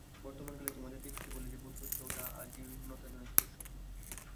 বর্তমান কালে তোমাদের দেখছি বলে যে বোধ হচ্ছে, ওটা অজীর্ণতাজনিত দুঃস্বপ্ন।